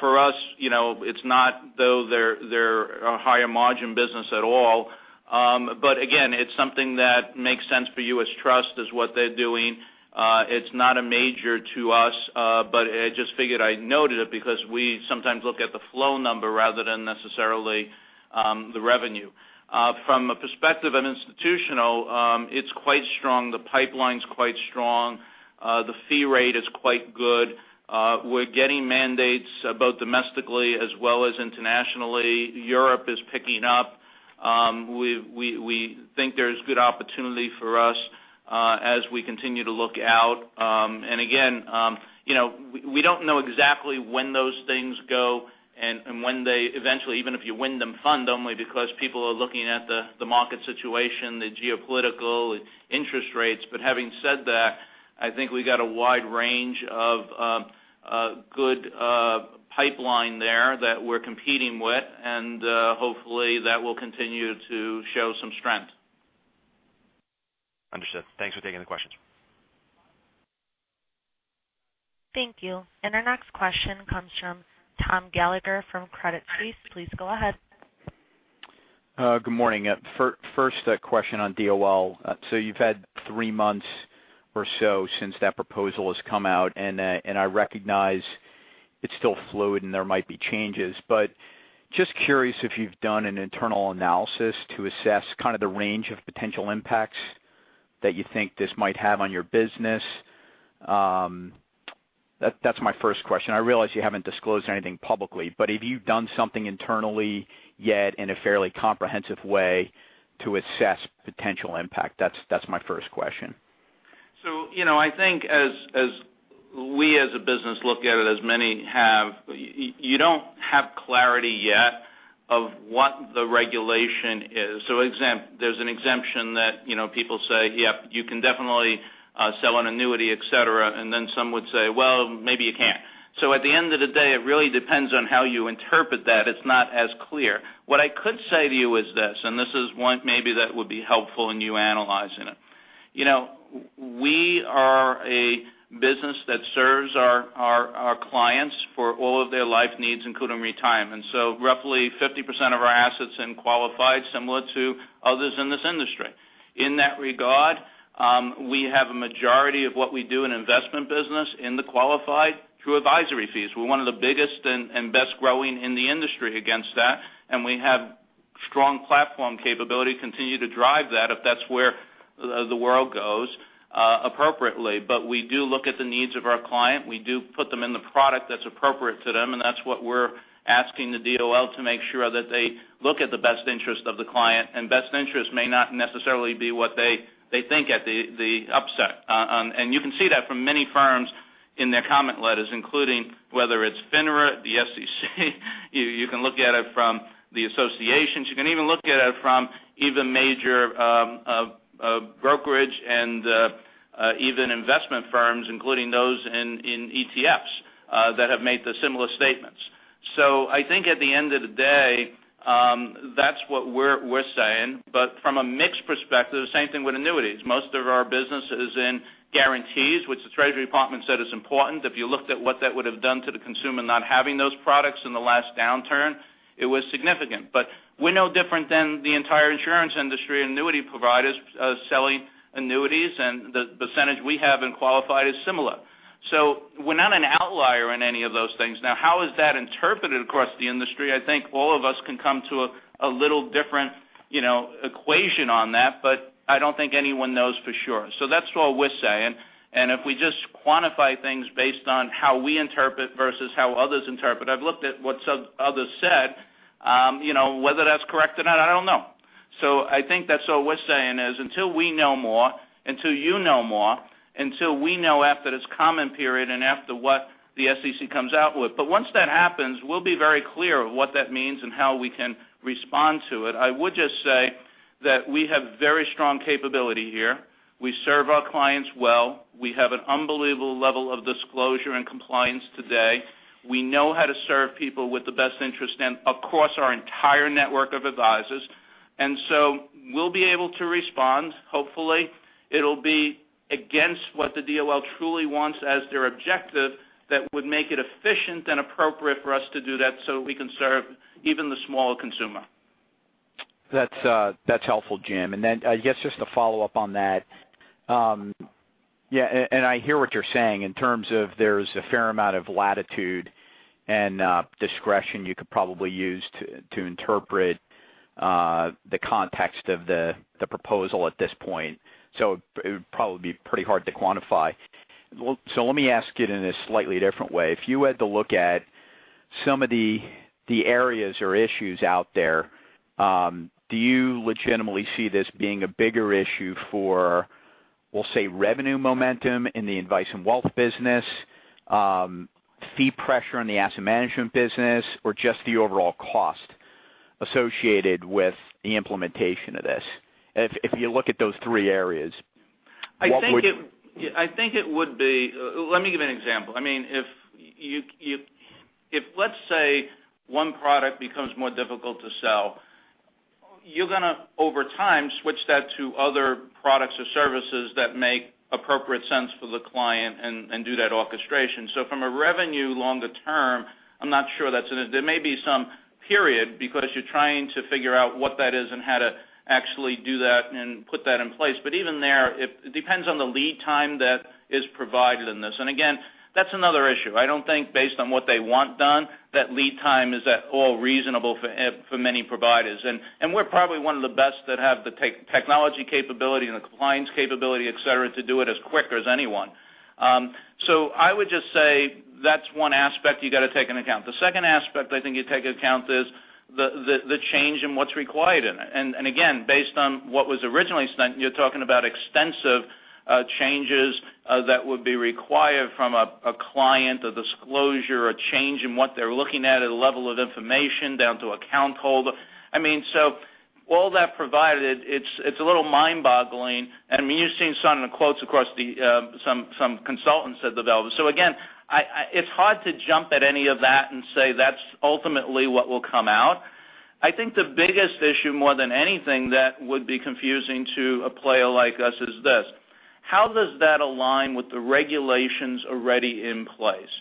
C: For us, it's not though they're a higher margin business at all. Again, it's something that makes sense for U.S. Trust, is what they're doing. It's not a major to us. I just figured I'd note it because we sometimes look at the flow number rather than necessarily the revenue. From a perspective of institutional, it's quite strong. The pipeline's quite strong. The fee rate is quite good. We're getting mandates both domestically as well as internationally. Europe is picking up. We think there's good opportunity for us as we continue to look out. Again, we don't know exactly when those things go and when they eventually, even if you win them, fund them, because people are looking at the market situation, the geopolitical, interest rates. Having said that, I think we got a wide range of good pipeline there that we're competing with, and hopefully that will continue to show some strength.
G: Understood. Thanks for taking the questions.
A: Thank you. Our next question comes from Thomas Gallagher from Credit Suisse. Please go ahead.
H: Good morning. First question on DOL. You've had three months or so since that proposal has come out, and I recognize it's still fluid and there might be changes. Just curious if you've done an internal analysis to assess the range of potential impacts that you think this might have on your business. That's my first question. I realize you haven't disclosed anything publicly, but have you done something internally yet in a fairly comprehensive way to assess potential impact? That's my first question.
C: I think as we as a business look at it, as many have, you don't have clarity yet of what the regulation is. There's an exemption that people say, "Yep, you can definitely sell an annuity," et cetera, and then some would say, "Well, maybe you can't." At the end of the day, it really depends on how you interpret that. It's not as clear. What I could say to you is this, and this is one maybe that would be helpful in you analyzing it. We are a business that serves our clients for all of their life needs, including retirement. Roughly 50% of our assets in qualified, similar to others in this industry. In that regard, we have a majority of what we do in investment business in the qualified through advisory fees. We're one of the biggest and best growing in the industry against that, and we have strong platform capability, continue to drive that if that's where the world goes, appropriately. We do look at the needs of our client. We do put them in the product that's appropriate to them, and that's what we're asking the DOL to make sure that they look at the best interest of the client, and best interest may not necessarily be what they think at the upshot. You can see that from many firms in their comment letters, including whether it's FINRA, the SEC. You can look at it from the associations. You can even look at it from even major brokerage and even investment firms, including those in ETFs that have made the similar statements. I think at the end of the day, that's what we're saying. From a mix perspective, the same thing with annuities. Most of our business is in guarantees, which the Department of the Treasury said is important. If you looked at what that would have done to the consumer not having those products in the last downturn, it was significant. We're no different than the entire insurance industry, annuity providers selling annuities, and the percentage we have in qualified is similar. We're not an outlier in any of those things. How is that interpreted across the industry? I think all of us can come to a little different equation on that, but I don't think anyone knows for sure. That's all we're saying. If we just quantify things based on how we interpret versus how others interpret, I've looked at what others said. Whether that's correct or not, I don't know. I think that's all we're saying is until we know more, until you know more, until we know after this comment period and after what the SEC comes out with. Once that happens, we'll be very clear what that means and how we can respond to it. I would just say that we have very strong capability here. We serve our clients well. We have an unbelievable level of disclosure and compliance today. We know how to serve people with the best interest and across our entire network of advisors. We'll be able to respond. Hopefully, it'll be against what the DOL truly wants as their objective that would make it efficient and appropriate for us to do that so we can serve even the smaller consumer.
H: That's helpful, Jim. I guess just to follow up on that. I hear what you're saying in terms of there's a fair amount of latitude and discretion you could probably use to interpret the context of the proposal at this point. It would probably be pretty hard to quantify. Let me ask it in a slightly different way. If you had to look at some of the areas or issues out there, do you legitimately see this being a bigger issue for, we'll say, revenue momentum in the advice and wealth business, fee pressure on the asset management business, or just the overall cost associated with the implementation of this? If you look at those three areas, what would-
C: Let me give you an example. If, let's say, one product becomes more difficult to sell, you're going to, over time, switch that to other products or services that make appropriate sense for the client and do that orchestration. From a revenue longer term, I'm not sure that's an issue. There may be some period because you're trying to figure out what that is and how to actually do that and put that in place. Even there, it depends on the lead time that is provided in this. Again, that's another issue. I don't think based on what they want done, that lead time is at all reasonable for many providers. We're probably one of the best that have the technology capability and the compliance capability, et cetera, to do it as quick as anyone. I would just say that's one aspect you got to take into account. The second aspect I think you take into account is the change in what's required in it. Again, based on what was originally sent, you're talking about extensive changes that would be required from a client, a disclosure, a change in what they're looking at a level of information down to account holder. All that provided, it's a little mind-boggling. You've seen some of the quotes across some consultants have developed. Again, it's hard to jump at any of that and say that's ultimately what will come out. I think the biggest issue, more than anything that would be confusing to a player like us is this. How does that align with the regulations already in place?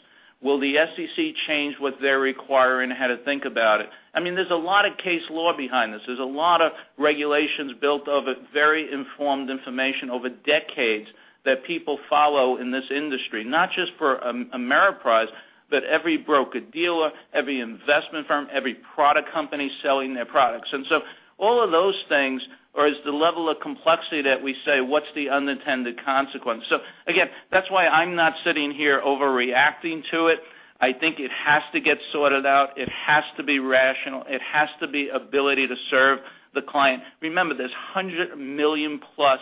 C: Will the SEC change what they're requiring, how to think about it? There's a lot of case law behind this. There's a lot of regulations built of very informed information over decades that people follow in this industry. Not just for Ameriprise, but every broker dealer, every investment firm, every product company selling their products. All of those things, or is the level of complexity that we say, what's the unintended consequence? Again, that's why I'm not sitting here overreacting to it. I think it has to get sorted out. It has to be rational. It has to be ability to serve the client. Remember, there's 100 million-plus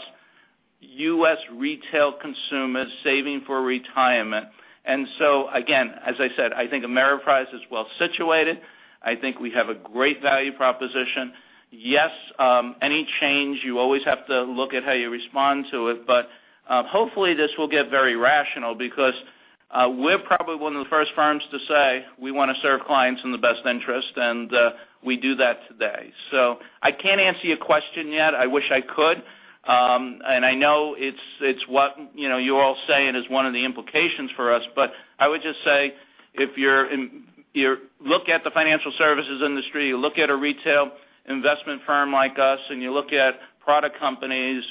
C: U.S. retail consumers saving for retirement. Again, as I said, I think Ameriprise is well situated. I think we have a great value proposition. Yes, any change, you always have to look at how you respond to it. Hopefully this will get very rational because we're probably one of the first firms to say we want to serve clients in the best interest, and we do that today. I can't answer your question yet. I wish I could. I know it's what you all say and is one of the implications for us. I would just say, if you look at the financial services industry, you look at a retail investment firm like us, and you look at product companies,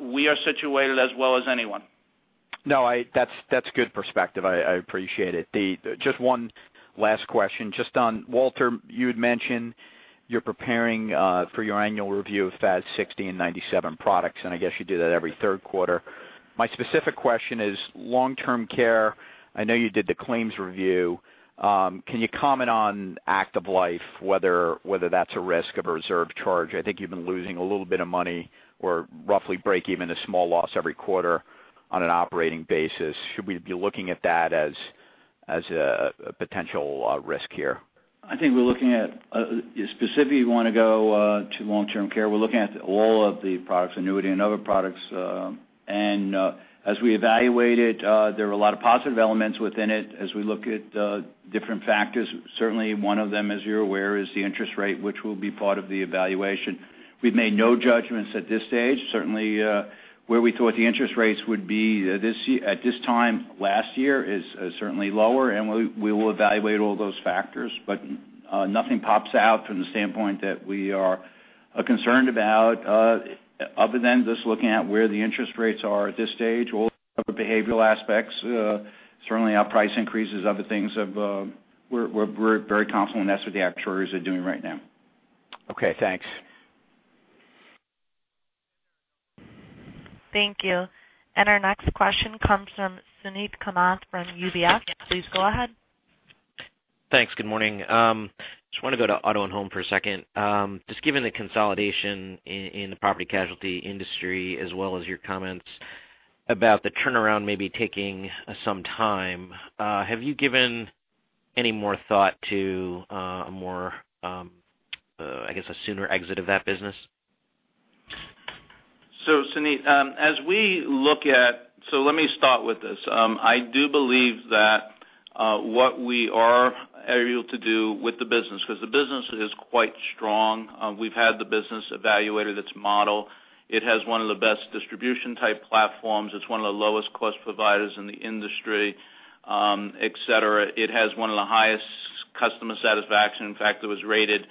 C: we are situated as well as anyone.
H: That's good perspective. I appreciate it. Just one last question. Just on, Walter, you had mentioned you're preparing for your annual review of FAS 60 and 97 products, and I guess you do that every third quarter. My specific question is long-term care. I know you did the claims review. Can you comment on active life, whether that's a risk of a reserve charge? I think you've been losing a little bit of money or roughly break even a small loss every quarter on an operating basis. Should we be looking at that as a potential risk here?
D: I think we're looking at, specifically, you want to go to long-term care. We're looking at all of the products, annuity and other products. As we evaluate it, there are a lot of positive elements within it as we look at different factors. Certainly one of them, as you're aware, is the interest rate, which will be part of the evaluation. We've made no judgments at this stage. Certainly, where we thought the interest rates would be at this time last year is certainly lower, and we will evaluate all those factors. Nothing pops out from the standpoint that we are concerned about, other than just looking at where the interest rates are at this stage. We'll look at behavioral aspects. Certainly our price increases, other things. We're very confident that's what the actuaries are doing right now.
H: Okay, thanks.
A: Thank you. Our next question comes from Suneet Kamath from UBS. Please go ahead.
I: Thanks. Good morning. Just want to go to auto and home for a second. Just given the consolidation in the property casualty industry, as well as your comments about the turnaround maybe taking some time, have you given any more thought to a more, I guess, a sooner exit of that business?
C: Suneet, let me start with this. I do believe that what we are able to do with the business, because the business is quite strong. We've had the business evaluated, its model. It has one of the best distribution-type platforms. It's one of the lowest cost providers in the industry, et cetera. It has one of the highest customer satisfaction. In fact, it was rated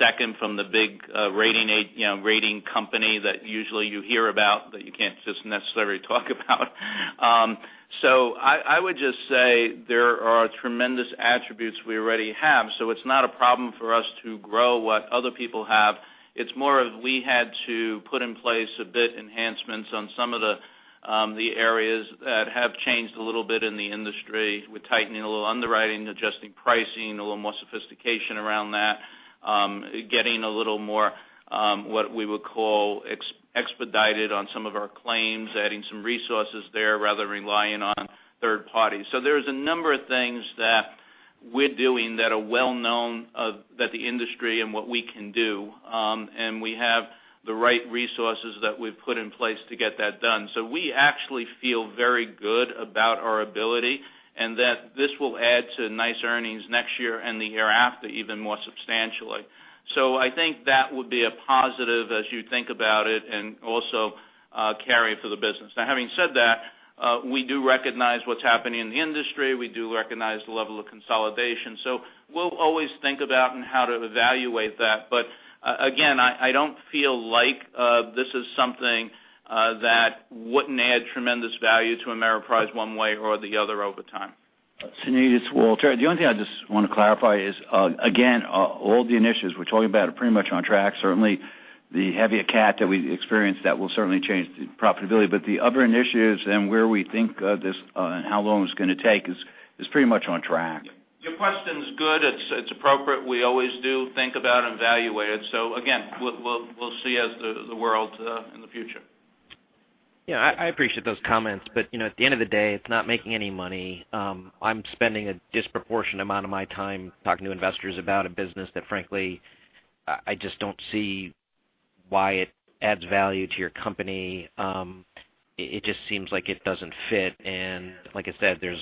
C: second from the big rating company that usually you hear about that you can't just necessarily talk about. I would just say there are tremendous attributes we already have. It's not a problem for us to grow what other people have. It's more of we had to put in place a bit enhancements on some of the areas that have changed a little bit in the industry with tightening a little underwriting, adjusting pricing, a little more sophistication around that, getting a little more, what we would call expedited on some of our claims, adding some resources there rather relying on third parties. There's a number of things that we're doing that are well-known that the industry and what we can do, and we have the right resources that we've put in place to get that done. We actually feel very good about our ability, and that this will add to nice earnings next year and the year after, even more substantially. I think that would be a positive as you think about it and also carry for the business. Now having said that, we do recognize what's happening in the industry. We do recognize the level of consolidation. We'll always think about and how to evaluate that. Again, I don't feel like this is something that wouldn't add tremendous value to Ameriprise one way or the other over time.
D: Suneet, it's Walter. The only thing I just want to clarify is, again, all the initiatives we're talking about are pretty much on track. Certainly the heavier cat that we experienced, that will certainly change the profitability. The other initiatives and where we think this, and how long it's going to take is pretty much on track.
C: Your question's good. It's appropriate. We always do think about and evaluate it. Again, we'll see as the world in the future.
I: Yeah, I appreciate those comments. At the end of the day, it's not making any money. I'm spending a disproportionate amount of my time talking to investors about a business that frankly, I just don't see why it adds value to your company. It just seems like it doesn't fit. Like I said, there's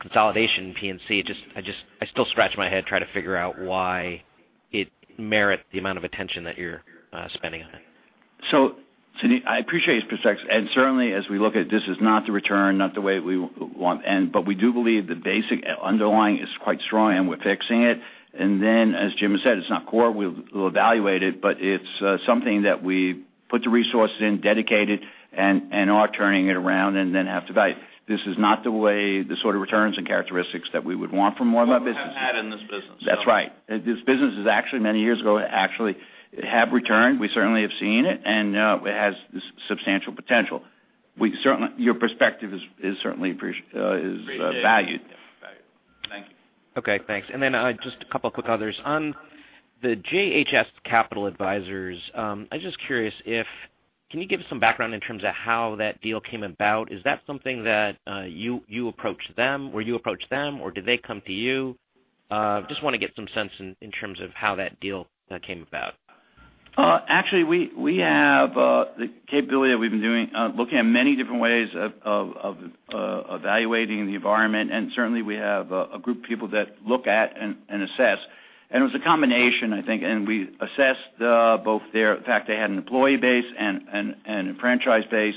I: consolidation in P&C. I still scratch my head, try to figure out why it merits the amount of attention that you're spending on it.
D: Sunil, I appreciate your perspective. Certainly, as we look at this is not the return, not the way we want end, we do believe the basic underlying is quite strong, and we're fixing it. As Jim has said, it's not core. We'll evaluate it. It's something that we put the resources in, dedicated, and are turning it around and then have to evaluate. This is not the way, the sort of returns and characteristics that we would want from one of our businesses.
C: What we have had in this business.
D: That's right. This business is actually many years ago, actually have returned. We certainly have seen it, and it has substantial potential. Your perspective is certainly appreciated, is valued.
C: Appreciated. Thank you.
I: Just a couple quick others. On the JHS Capital Advisors, I'm just curious if, can you give us some background in terms of how that deal came about? Is that something that you approached them, or did they come to you? Just want to get some sense in terms of how that deal came about.
D: Actually, we have the capability that we've been doing, looking at many different ways of evaluating the environment. Certainly, we have a group of people that look at and assess. It was a combination, I think, and we assessed both their factors. They had an employee base and a franchise base,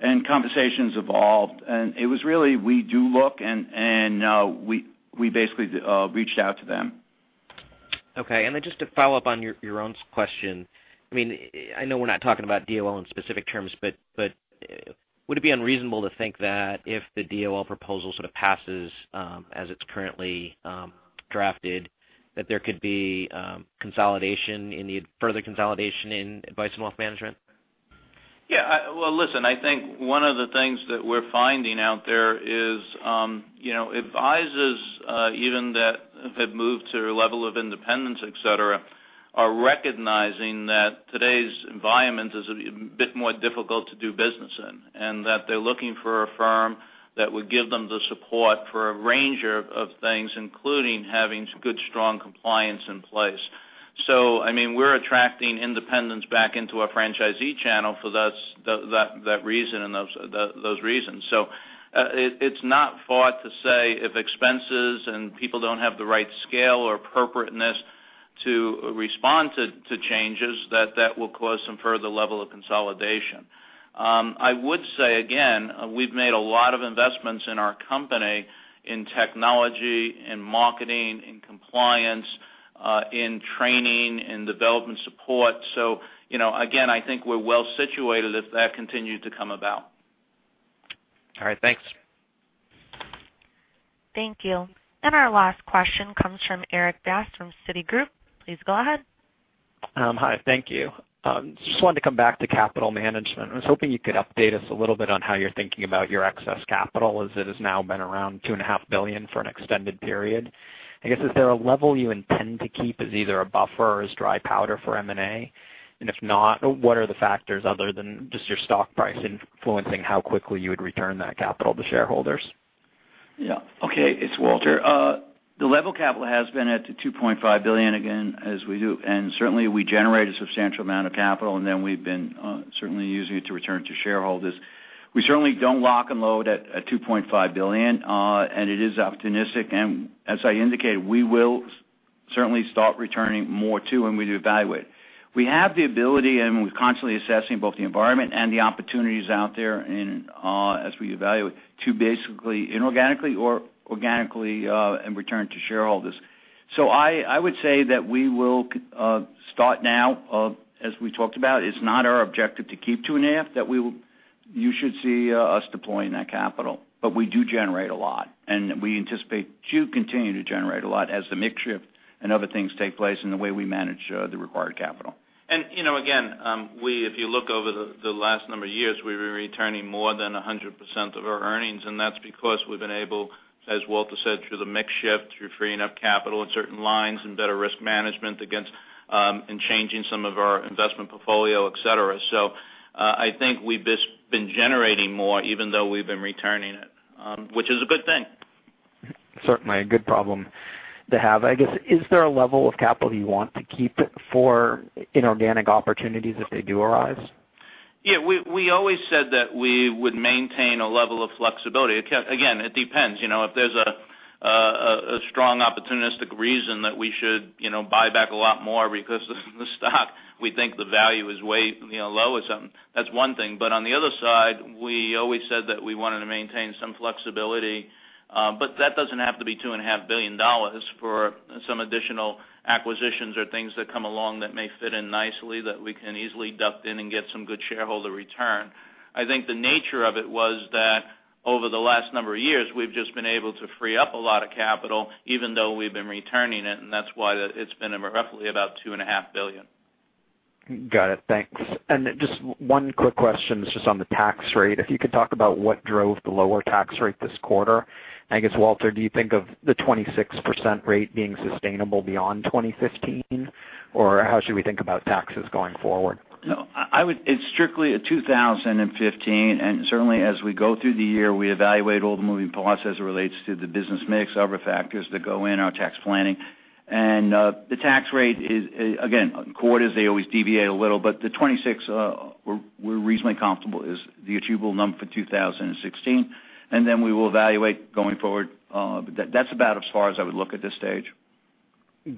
D: and conversations evolved. It was really, we do look, and we basically reached out to them.
I: Okay. Then just to follow up on Yaron's question. I know we're not talking about DOL in specific terms, but would it be unreasonable to think that if the DOL proposal sort of passes as it's currently drafted, that there could be further consolidation in advice and wealth management?
C: Yeah. Well, listen, I think one of the things that we're finding out there is, advisors even that have moved to a level of independence, et cetera, are recognizing that today's environment is a bit more difficult to do business in, that they're looking for a firm that would give them the support for a range of things, including having good, strong compliance in place. I mean, we're attracting independents back into our franchisee channel for that reason and those reasons. It's not far to say if expenses and people don't have the right scale or appropriateness to respond to changes, that will cause some further level of consolidation. I would say again, we've made a lot of investments in our company in technology, in marketing, in compliance, in training, in development support. Again, I think we're well situated if that continued to come about.
I: All right. Thanks.
A: Thank you. Our last question comes from Erik Bass from Citigroup. Please go ahead.
J: Hi, thank you. Just wanted to come back to capital management. I was hoping you could update us a little bit on how you're thinking about your excess capital, as it has now been around two and a half billion for an extended period. I guess, is there a level you intend to keep as either a buffer or as dry powder for M&A? If not, what are the factors other than just your stock price influencing how quickly you would return that capital to shareholders?
D: Yeah. Okay. It's Walter. The level capital has been at $2.5 billion again, as we do. Certainly, we generate a substantial amount of capital, and then we've been certainly using it to return to shareholders. We certainly don't lock and load at $2.5 billion. It is opportunistic, and as I indicated, we will certainly start returning more to when we do evaluate. We have the ability, and we're constantly assessing both the environment and the opportunities out there, and as we evaluate to basically inorganically or organically and return to shareholders. I would say that we will start now. As we talked about, it's not our objective to keep two and a half, that you should see us deploying that capital. We do generate a lot, and we anticipate to continue to generate a lot as the mix shift and other things take place in the way we manage the required capital.
C: Again, if you look over the last number of years, we've been returning more than 100% of our earnings. That's because we've been able, as Walter said, through the mix shift, through freeing up capital in certain lines and better risk management against, and changing some of our investment portfolio, et cetera. I think we've just been generating more even though we've been returning it, which is a good thing.
J: Certainly a good problem to have. I guess, is there a level of capital you want to keep for inorganic opportunities if they do arise?
C: Yeah, we always said that we would maintain a level of flexibility. Again, it depends. If there's a strong opportunistic reason that we should buy back a lot more because of the stock, we think the value is way low or something, that's one thing. On the other side, we always said that we wanted to maintain some flexibility. That doesn't have to be $2.5 billion for some additional acquisitions or things that come along that may fit in nicely that we can easily duck in and get some good shareholder return. I think the nature of it was that over the last number of years, we've just been able to free up a lot of capital even though we've been returning it, and that's why it's been roughly about $2.5 billion.
J: Got it. Thanks. Just one quick question, this is on the tax rate. If you could talk about what drove the lower tax rate this quarter. I guess, Walter, do you think of the 26% rate being sustainable beyond 2015? Or how should we think about taxes going forward?
D: No, it's strictly a 2015. Certainly as we go through the year, we evaluate all the moving parts as it relates to the business mix, other factors that go in our tax planning. The tax rate is, again, quarters they always deviate a little, but the 26% we're reasonably comfortable is the achievable number for 2016. Then we will evaluate going forward. That's about as far as I would look at this stage.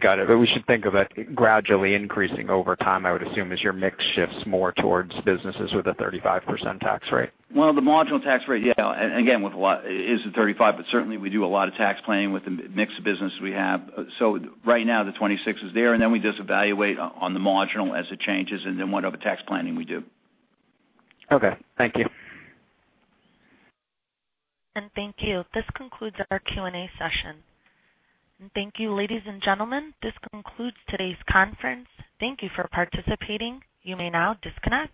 J: Got it. We should think of it gradually increasing over time, I would assume, as your mix shifts more towards businesses with a 35% tax rate.
D: Well, the marginal tax rate, yeah. Again, is at 35%, but certainly we do a lot of tax planning with the mix of business we have. Right now the 26% is there, then we just evaluate on the marginal as it changes then what other tax planning we do.
J: Okay. Thank you.
A: Thank you. This concludes our Q&A session. Thank you, ladies and gentlemen. This concludes today's conference. Thank you for participating. You may now disconnect.